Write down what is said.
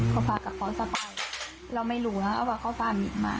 เขาก็กระเป๋าสะพายเราไม่รู้ว่าเขาก็กระเป๋ามีมา